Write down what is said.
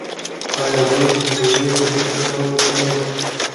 ایا موږ پوهیږو چي څه کوو؟